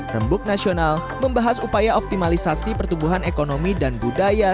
rembuk nasional membahas upaya optimalisasi pertumbuhan ekonomi dan budaya